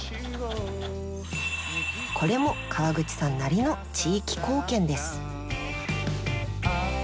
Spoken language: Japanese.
これも川口さんなりの地域貢献です。